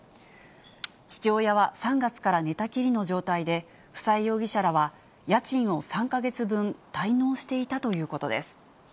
父親は３月から寝たきりの状態で、富佐江容疑者らは家賃を３か月分滞納していたということです。